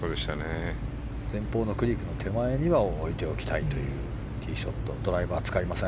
前方のクリークの手前には置いておきたいティーショットドライバーは使いません。